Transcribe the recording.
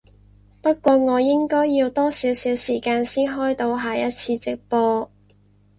不過我應該要多少少時間先開到下一次直播